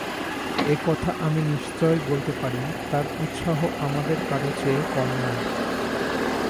এ কথা আমি নিশ্চয় বলতে পারি, তাঁর উৎসাহ আমাদের কারো চেয়ে কম নয়।